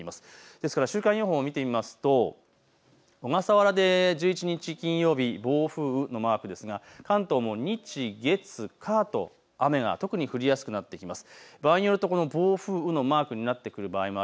ですから週間予報を見てみますと、小笠原で１１日金曜日、暴風雨のマークですが関東も日、月、火と雨が特に降りやすくなっています。